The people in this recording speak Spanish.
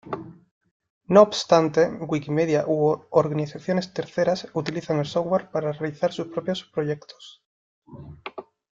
No obstante, Wikimedia u organizaciones terceras utilizan el software para realizar sus propios proyectos.